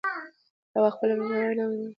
او خپله عالمانه وينا موږ او تاسو ته را واور وي.